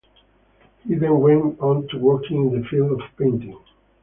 He then went on to working in the field of painting.